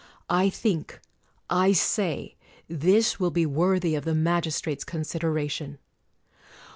I think, I say, this will be worthy of the magistrate's consideration.